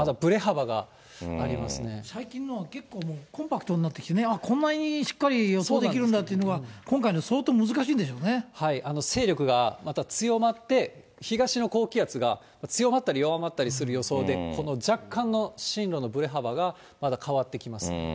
そうですね、最近のは結構、コンパクトになってきて、こんなにしっかり予想できるんだというのが、今回のは相当難しい勢力がまた強まって、東の高気圧が強まったり弱まったりする予想で、若干の進路のぶれ幅がまだ変わってきます。